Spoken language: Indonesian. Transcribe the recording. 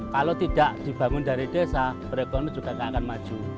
kalau tidak dibangun dari desa perekonomian juga tidak akan maju